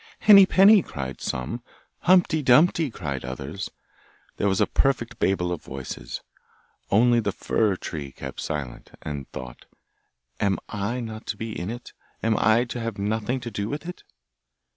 'Henny Penny!' cried some; 'Humpty Dumpty!' cried others; there was a perfect babel of voices! Only the fir tree kept silent, and thought, 'Am I not to be in it? Am I to have nothing to do with it?